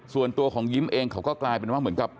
ส่วนตัวของยิ้มเองเขาก็กลายเป็นว่าเหมือนกับ